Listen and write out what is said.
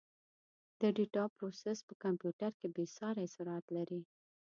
د ډیټا پروسس په کمپیوټر کې بېساري سرعت لري.